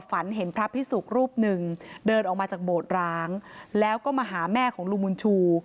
ฝันเห็นพระพิสุกรูปหนึ่งเดินออกมาจากโบสถ์ร้างแล้วก็มาหาแม่ของลุงบุญชู